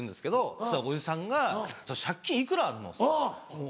そしたらおじさんが「借金いくらあんの？」っつって。